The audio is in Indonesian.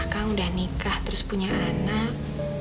kamu udah nikah terus punya anak